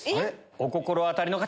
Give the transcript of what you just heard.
お心当たりの方！